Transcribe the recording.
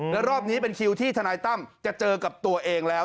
แล้วรอบนี้เป็นคิวที่ทนายตั้มจะเจอกับตัวเองแล้ว